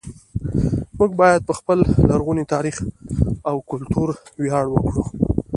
موږ باید په خپل لرغوني تاریخ او کلتور ویاړ وکړو